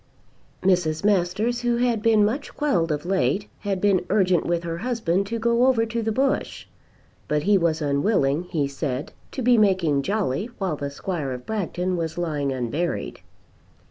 Mrs. Masters, who had been much quelled of late, had been urgent with her husband to go over to the Bush; but he was unwilling, he said, to be making jolly while the Squire of Bragton was lying unburied.